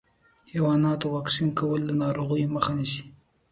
د حیواناتو واکسین کول د ناروغیو مخه نیسي.